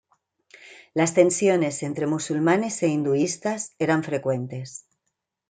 Las tensiones entre musulmanes e hinduistas eran frecuentes.